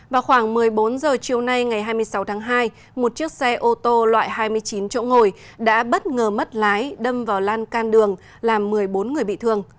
vào khoảng một mươi bốn h chiều nay ngày hai mươi sáu tháng hai một chiếc xe ô tô loại hai mươi chín chỗ ngồi đã bất ngờ mất lái đâm vào lan can đường làm một mươi bốn người bị thương